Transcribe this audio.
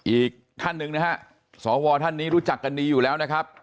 อีกท่านหนึ่งนะฮะสวท่านนี้รู้จักกันดีอยู่แล้วนะครับ